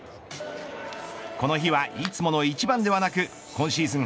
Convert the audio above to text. この日はいつもの１番ではなく今シーズン